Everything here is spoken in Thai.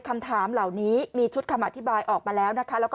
คำถามเหล่านี้มีชุดคำอธิบายออกมาแล้วนะคะ